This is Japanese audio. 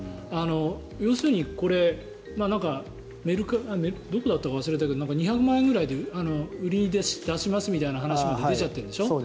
要するにこれどこだったか忘れたけど２００万円ぐらいで売りに出しますみたいな話まで出ちゃってるんでしょ。